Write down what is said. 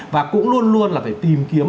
và cũng luôn luôn là phải tìm kiếm